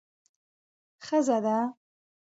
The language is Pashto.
ښځه ده.